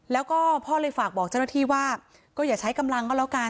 แล้วก็พ่อเลยฝากบอกเจ้าหน้าที่ว่าก็อย่าใช้กำลังก็แล้วกัน